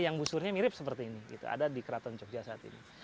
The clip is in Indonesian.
yang busurnya mirip seperti ini ada di keraton jogja saat ini